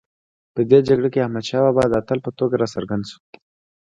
په دې جګړه کې احمدشاه بابا د اتل په توګه راڅرګند شو.